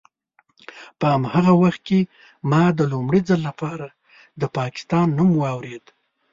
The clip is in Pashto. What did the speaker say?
په هماغه وخت کې ما د لومړي ځل لپاره د پاکستان نوم واورېد.